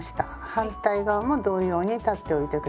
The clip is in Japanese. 反対側も同様に裁っておいてください。